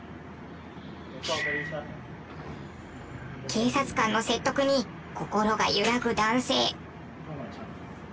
警察官の説得に心が揺らぐ男性。